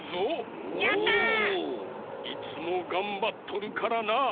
いつもがんばっとるからな。